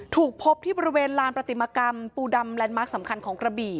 ถูกพบที่บริเวณลานประติมากรรมปูดำแลนดมาร์คสำคัญของกระบี่